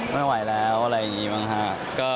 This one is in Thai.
ไม่ไหวแล้วอะไรอย่างนี้บ้างฮะ